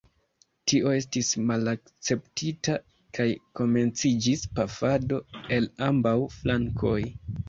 Tio estis malakceptita, kaj komenciĝis pafado el ambaŭ flankoj.